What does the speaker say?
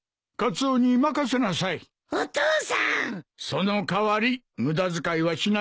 その代わり無駄遣いはしないようにな。